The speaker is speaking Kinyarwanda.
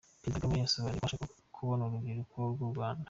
Perezida Kagame yasobanuye uko ashaka kubona urubyiruko rw’u Rwanda.